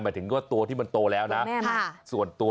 หมายถึงว่าตัวที่มันโตแล้วนะ